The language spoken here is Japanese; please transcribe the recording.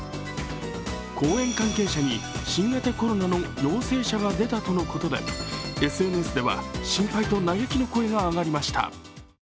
公演関係者に新型コロナの陽性者が出たとのことで、ＳＮＳでは心配と嘆きの声が上がりました。